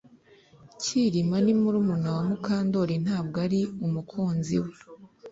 Kirima ni murumuna wa Mukandoli ntabwo ari umukunzi we